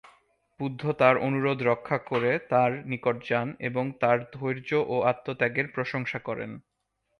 বুদ্ধ তার অনুরোধ রক্ষা করে তার নিকট যান এবং তার ধৈর্য ও আত্মত্যাগের প্রশংসা করেন।